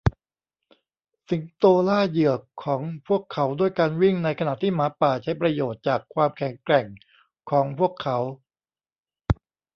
สิงโตล่าเหยื่อของพวกเขาด้วยการวิ่งในขณะที่หมาป่าใช้ประโยชน์จากความแข็งแกร่งของพวกเขา